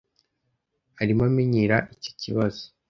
Arimo amenyera icyo kibazo.